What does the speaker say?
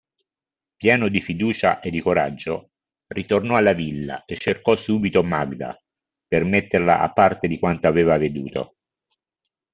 Pieno di fiducia e di coraggio, ritornò alla villa e cercò subito Magda per metterla a parte di quanto aveva veduto.